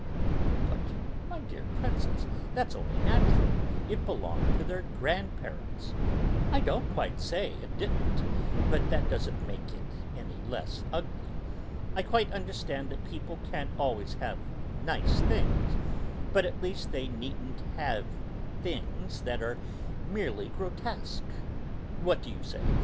"But, my dear Princess, that's only natural; it belonged to their grandparents." "I don't quite say it didn't, but that doesn't make it any less ugly. I quite understand that people can't always have nice things, but at least they needn't have things that are merely grotesque. What do you say?